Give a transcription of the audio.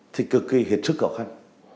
thì cực kỳ hiệt sức khó khăn